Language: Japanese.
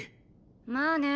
まあね。